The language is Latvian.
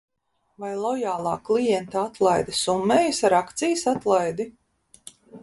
Vai lojālā klienta atlaide summējas ar akcijas atlaidi?